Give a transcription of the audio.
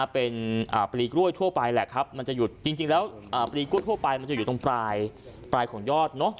เป็นปลีกล้วยทั่วไปแหละครับมันจะหยุดจริงแล้วปลีกล้วยทั่วไปมันจะอยู่ตรงปลายของยอด